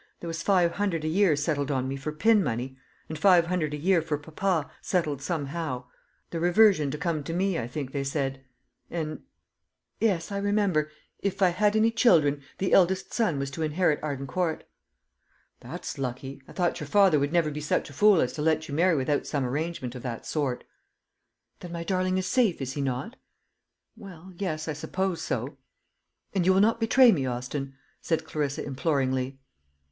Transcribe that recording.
There was five hundred a year settled on me for pin money; and five hundred a year for papa, settled somehow. The reversion to come to me, I think they said. And yes, I remember If I had any children, the eldest son was to inherit Arden Court." "That's lucky! I thought your father would never be such a fool as to let you marry without some arrangement of that sort." "Then my darling is safe, is he not?" "Well, yes, I suppose so." "And you will not betray me, Austin?" said Clarissa imploringly.